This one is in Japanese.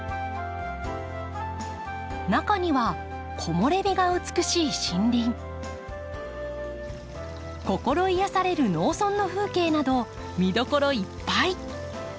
中には木漏れ日が美しい森林心癒やされる農村の風景など見どころいっぱい。